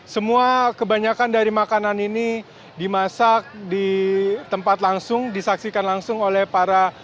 semua kebanyakan dari makanan ini dimasak di tempat langsung disaksikan langsung oleh para